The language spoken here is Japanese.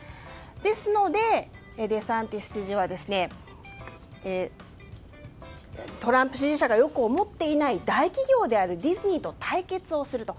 ですのでデサンティス知事はトランプ支持者がよく思っていない大企業であるディズニーと対決をすると。